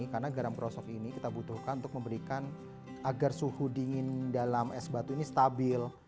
karena garam krosok ini kita butuhkan untuk memberikan agar suhu dingin dalam es batu ini stabil